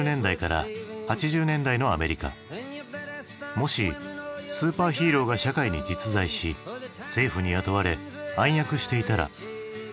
もしスーパーヒーローが社会に実在し政府に雇われ暗躍していたらと仮定した物語。